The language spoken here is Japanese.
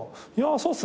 そうっすね